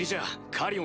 カリオン